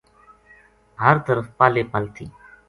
ہر طرف پل ہی پل تھی